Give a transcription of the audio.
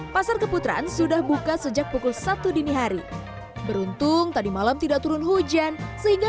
pasar keputaran sudah buka sejak pukul satu dini hari beruntung tadi malam tidak turun hujan sehingga